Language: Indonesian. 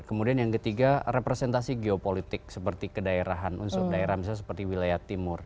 kemudian yang ketiga representasi geopolitik seperti kedaerahan unsur daerah misalnya seperti wilayah timur